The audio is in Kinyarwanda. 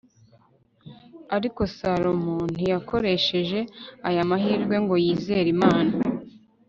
ariko salomo ntiyakoresheje aya mahirwe ngo yizere imana